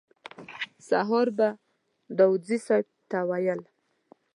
سهار به داوودزي صیب ته ویل.